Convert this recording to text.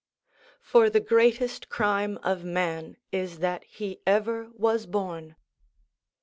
("For the greatest crime of man Is that he ever was born.")